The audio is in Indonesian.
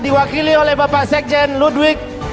diwakili oleh bapak sekjen ludwig